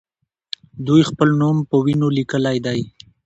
دوی خپل نوم په وینو لیکلی دی.